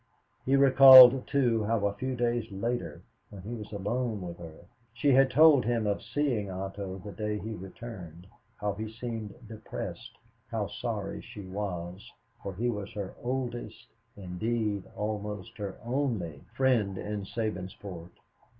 He recalled, too, how a few days later, when he was alone with her, she had told him of seeing Otto the day he returned; how he seemed depressed, how sorry she was, for he was her oldest, indeed almost her only, friend in Sabinsport.